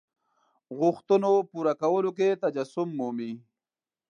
غوښتنو پوره کولو کې تجسم مومي.